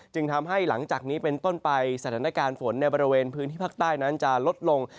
จึงทำให้หลังจากนี้เป็นต้นไปสถานการณ์ฝนในบริเวณพื้นที่ภาคใต้นั้นจะลดลง